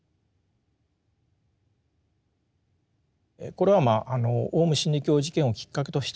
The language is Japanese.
これはまああのオウム真理教事件をきっかけとしてですね